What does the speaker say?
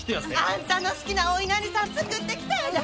あんたの好きなおいなりさん作ってきたんやで。